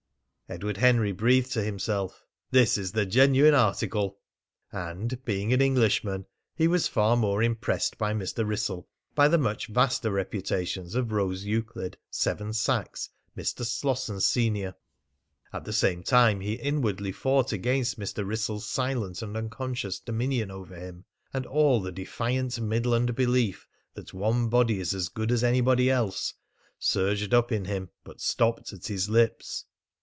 Edward Henry breathed to himself: "This is the genuine article." And, being an Englishman, he was far more impressed by Mr. Wrissell than he had been by the much vaster reputations of Rose Euclid, Seven Sachs, Mr. Slosson, senior. At the same time he inwardly fought against Mr. Wrissell's silent and unconscious dominion over him, and all the defiant Midland belief that one body is as good as anybody else surged up in him but stopped at his lips.